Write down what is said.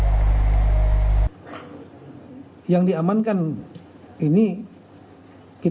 semangat di kiki manjai voce